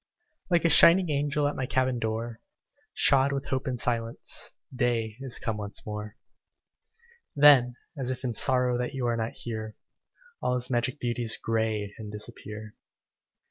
Like a shining angel At my cabin door, Shod with hope and silence, Day is come once more. Then, as if in sorrow That you are not here, All his magic beauties Gray and disappear.